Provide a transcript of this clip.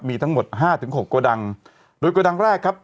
มีทั้งหมด๕๖กระดังโดยกระดังแรกครับ